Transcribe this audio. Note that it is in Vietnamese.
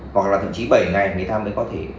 hoặc là thậm chí bảy ngày người ta mới có thể